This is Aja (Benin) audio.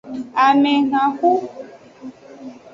Amehenxu.